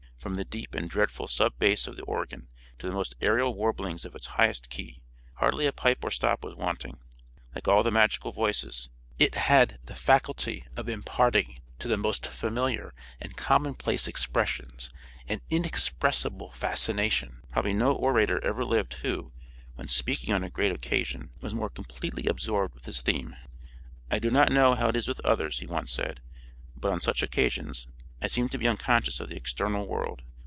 From the 'deep and dreadful sub bass of the organ' to the most ærial warblings of its highest key, hardly a pipe or stop was wanting. Like all the magical voices, it had the faculty of imparting to the most familiar and commonplace expressions an inexpressible fascination. Probably no orator ever lived who, when speaking on a great occasion, was more completely absorbed with his theme. "I do not know how it is with others," he once said, "but, on such occasions, I seem to be unconscious of the external world.